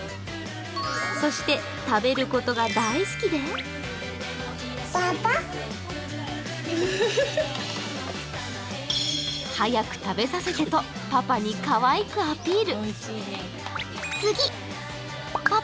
そして食べることが大好きで早く食べさせてとパパにかわいくアピール。